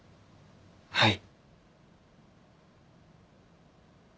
はい。